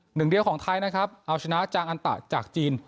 หนึ่งเดียวของไทยนะครับเอาชนะจางอันตะจากจีน